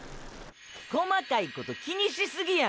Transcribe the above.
細かいこと気にしすぎや。